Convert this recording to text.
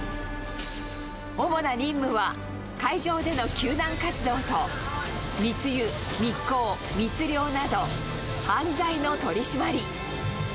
主な任務は、海上での救難活動と、密輸、密航、密猟など、犯罪の取締り。